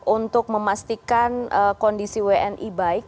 untuk memastikan kondisi wni baik